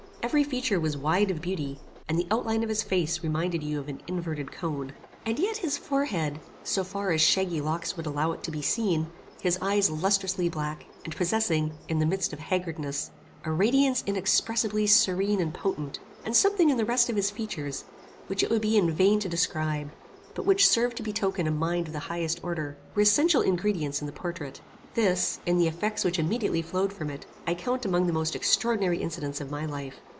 Every feature was wide of beauty, and the outline of his face reminded you of an inverted cone. And yet his forehead, so far as shaggy locks would allow it to be seen, his eyes lustrously black, and possessing, in the midst of haggardness, a radiance inexpressibly serene and potent, and something in the rest of his features, which it would be in vain to describe, but which served to betoken a mind of the highest order, were essential ingredients in the portrait. This, in the effects which immediately flowed from it, I count among the most extraordinary incidents of my life.